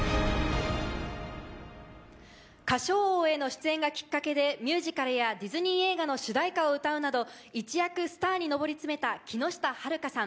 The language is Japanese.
『歌唱王』への出演がきっかけでミュージカルやディズニー映画の主題歌を歌うなど一躍スターに上り詰めた木下晴香さん。